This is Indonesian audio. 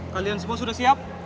kalian semua sudah siap